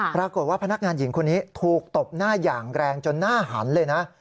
พนักงานหญิงคนนี้ถูกตบหน้าอย่างแรงจนหน้าหันเลยนะ